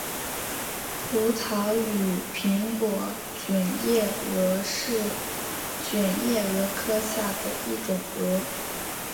葡萄与苹果卷叶蛾是卷叶蛾科下的一种蛾。